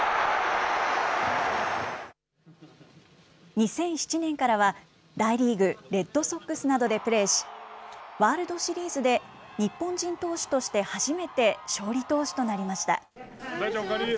２００７年からは、大リーグ・レッドソックスなどでプレーし、ワールドシリーズで日本人投手として初めて勝利投手となりました。